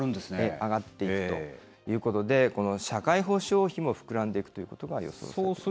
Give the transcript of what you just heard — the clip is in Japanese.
上がっていくということで、この社会保障費も膨らんでいくということがあるということなんですね。